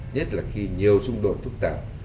nhất là khi nhiều xung đột phức tạp